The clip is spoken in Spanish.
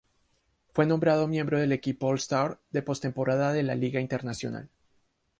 Fue nombrado miembro del equipo All-Star de postemporada de la Liga Internacional.